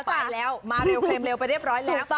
ไปแล้วมาเร็วเคลมเร็วไปเรียบร้อยแล้ว